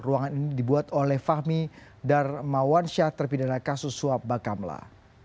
ruangan ini dibuat oleh fahmi dar mawansyah terpindahkan kasus suap bakamlah